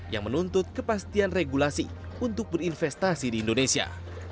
yang menuntut kepastian regulasi untuk berinvestasi di indonesia